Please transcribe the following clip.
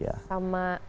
sama seringgo yang lucu